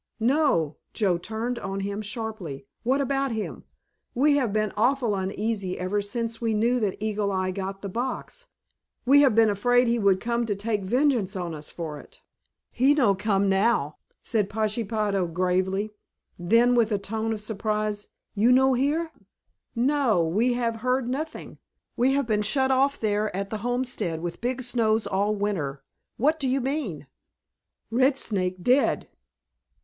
"No," Joe turned on him sharply. "What about him? We have been awful uneasy ever since we knew that Eagle Eye got the box. We have been afraid he would come to take vengeance on us for it." "He no come now," said Pashepaho gravely. Then with a tone of surprise, "You no hear?" "No, we have heard nothing. We have been shut off there at the homestead with big snows all winter. What do you mean?" "Red Snake dead."